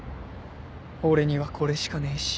俺にはこれしかねえし。